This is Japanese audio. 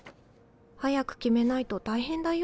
早く決めないと大変だよ。